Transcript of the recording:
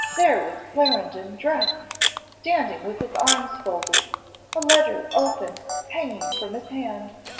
there was Clarendon dressed standing with his arms folded a letter open hanging from his hand.